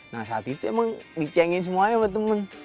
nah saat itu emang dicengin semuanya sama temen